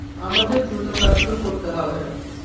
আমাদের দ্রুত কাজ শুরু করতে হবে।